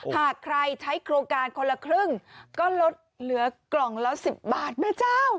หากใครใช้โครงการคนละครึ่งก็ลดเหลือกล่องละ๑๐บาทแม่เจ้า